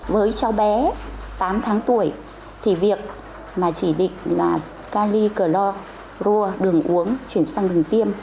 với cháu bé tám tháng tuổi thì việc mà chỉ định là cali cờ loa đường uống chuyển sang đường tiêm